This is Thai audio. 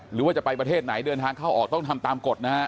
หรือว่าจะไปประเทศไหนเดินทางเข้าออกต้องทำตามกฎนะฮะ